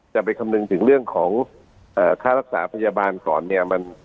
ไปคำนึงถึงเรื่องของค่ารักษาพยาบาลก่อนเนี่ย